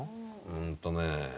うんとね